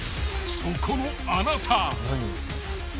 ［そこのあなた］